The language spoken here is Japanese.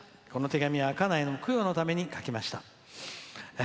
この手紙は家内の供養のために書きました」。